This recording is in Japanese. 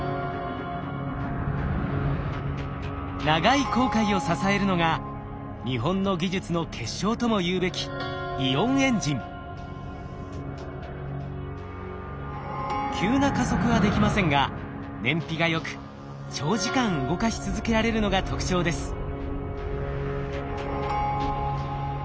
長い航海を支えるのが日本の技術の結晶ともいうべき急な加速はできませんが燃費がよく長時間動かし続けられるのが特徴です。